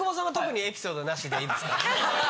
でいいですか？